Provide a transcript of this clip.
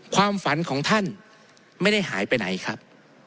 ความฝันของท่านไม่ได้หายไปไหนครับ